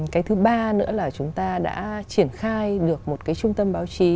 cái thứ ba nữa là chúng ta đã triển khai được một cái trung tâm báo chí